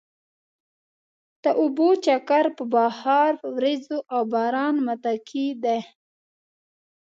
د اوبو چکر په بخار، ورېځو او باران متکي دی.